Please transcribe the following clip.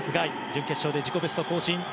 準決勝で自己ベスト更新。